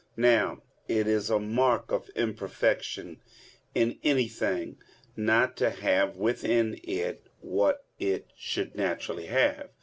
Now it is a mark of imperfection in anything not to have within it what it should naturally have.